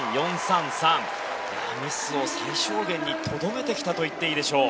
ミスを最小限にとどめてきたと言っていいでしょう。